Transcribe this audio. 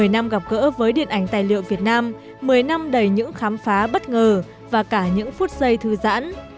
một mươi năm gặp gỡ với điện ảnh tài liệu việt nam một mươi năm đầy những khám phá bất ngờ và cả những phút giây thư giãn